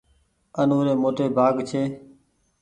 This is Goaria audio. آ نوري موٽي ڀآگ ڇي۔